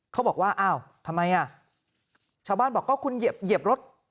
เขาบอกว่าอ้าวทำไมอ่ะชาวบ้านบอกก็คุณเหยียบรถ